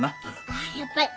あっやっぱり。